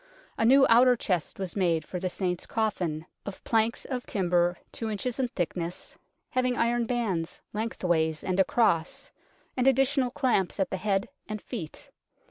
A new outer chest was made for the Saint's coffin, of planks of timber two inches in thickness, having iron bands lengthways and across, and additional clamps at the head and feet.